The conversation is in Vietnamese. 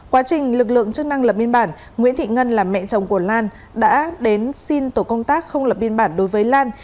quá trình lực lượng chức năng lập biên bản nguyễn thị ngân là mẹ chồng của lan đã đến xin tổ công tác không lập biên bản đối với lan